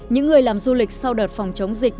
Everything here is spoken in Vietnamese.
những người làm du lịch sau đợt phòng chống dịch